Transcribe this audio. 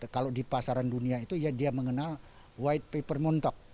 kalau di pasaran dunia itu ya dia mengenal white paper muntok